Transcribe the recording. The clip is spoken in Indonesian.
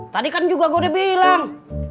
tadi kan juga gue udah bilang